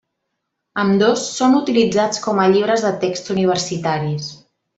Ambdós són utilitzats com a llibres de text universitaris.